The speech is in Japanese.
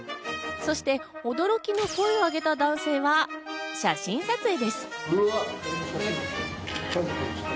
そして驚きの声を上げた男性は写真撮影です。